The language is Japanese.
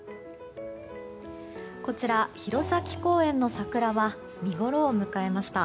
こちら、弘前公園の桜は見ごろを迎えました。